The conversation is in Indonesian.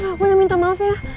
aku yang minta maaf ya